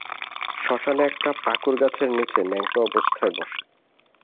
শ্মশানে একটা পাকুড় গাছের নিচে ন্যাংটো অবস্থায় বসা।